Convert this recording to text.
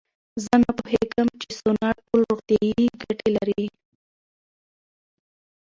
زه نه پوهېږم چې سونا ټول روغتیایي ګټې لري.